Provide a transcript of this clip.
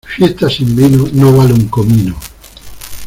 Fiesta sin vino no vale un comino.